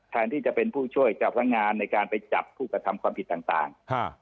แทนที่จะเป็นผู้ช่วยเจ้าพนักงานในการไปจับผู้กระทำความผิดต่าง